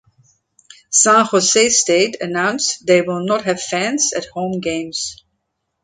San Jose State announced that they will not have fans at home games.